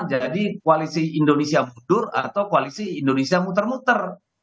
jadi koalisi indonesia mudur atau koalisi indonesia muter muter